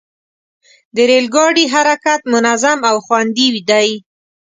د ریل ګاډي حرکت منظم او خوندي دی.